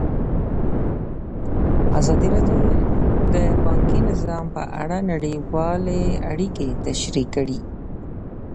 ازادي راډیو د بانکي نظام په اړه نړیوالې اړیکې تشریح کړي.